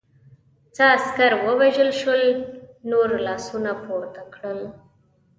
څه عسکر ووژل شول، نورو لاسونه پورته کړل.